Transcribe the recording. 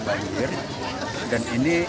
banjir dan ini